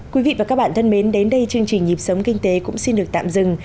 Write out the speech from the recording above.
quý vị và các bạn thân mến đến đây chương trình nhịp sống kinh tế cũng xin được tạm dừng